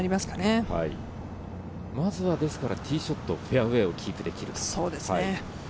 まずはティーショット、フェアウエーをキープできるかどうか。